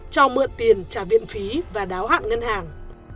cho mượn tiền trả viện phí và đáo hạn ngân hàng